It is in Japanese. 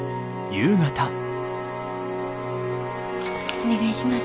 お願いします。